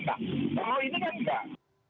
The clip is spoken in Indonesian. kalau ini kan enggak